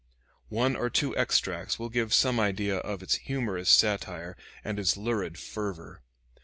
One or two extracts will give some idea of its humorous satire and its lurid fervor.